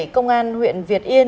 công an huyện việt yên